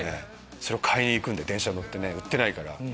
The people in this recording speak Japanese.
それを買いに行くんで電車乗って売ってないから。